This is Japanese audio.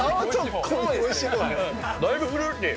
だいぶフルーティー。